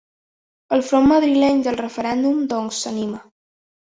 El front madrileny del referèndum, doncs, s’anima.